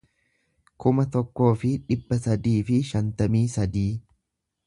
kuma tokkoo fi dhibba sadii fi shantamii sadii